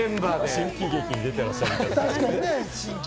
新喜劇に出てらっしゃる感じ。